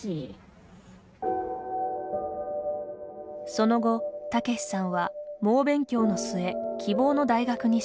その後、タケシさんは猛勉強の末、希望の大学に進学。